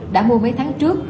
đã mua mấy tháng trước